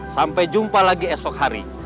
sampai jumpa lagi esok hari